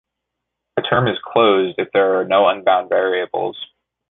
A term is "closed" if there are no unbound variables.